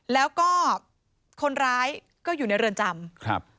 แล้วก็คนร้ายก็อยู่ในเรือนจำครับ